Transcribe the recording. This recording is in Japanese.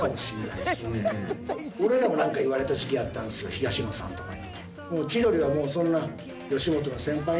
東野さんとかに。